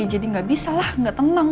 jadi gak bisa lah gak tenang